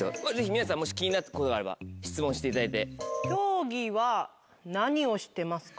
皆さんもし気になることがあれば質問していただいて。